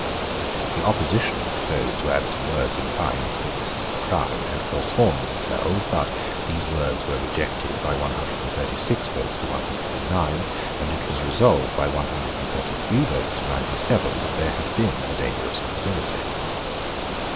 The opposition proposed to add some words implying that the witnesses for the Crown had forsworn themselves; but these words were rejected by one hundred and thirty six votes to one hundred and nine, and it was resolved by one hundred and thirty three votes to ninety seven that there had been a dangerous conspiracy.